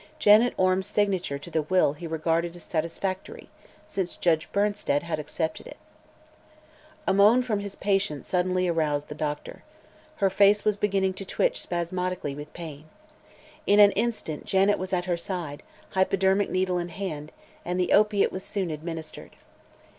Janet Orme's signature to the will he regarded as satisfactory, since Judge Bernsted had accepted it. A moan from his patient suddenly aroused the doctor. Her face was beginning to twitch spasmodically with pain. In an instant Janet was at her side, hypodermic needle in hand, and the opiate was soon administered.